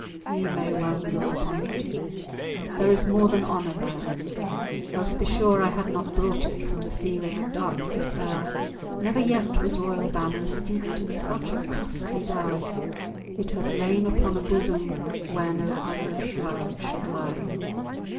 ye may well look upon it— There is more than honour there, Else, be sure, I had not brought it From the field of dark despair. Never yet was royal banner Steeped in such a costly dye; It hath lain upon a bosom Where no other shroud shall lie.